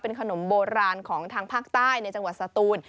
ขนมโบราณของทางภาคใต้ในจังหวัดสตูน